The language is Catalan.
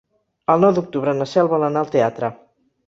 El nou d'octubre na Cel vol anar al teatre.